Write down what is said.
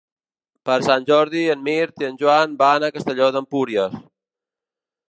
Per Sant Jordi en Mirt i en Joan van a Castelló d'Empúries.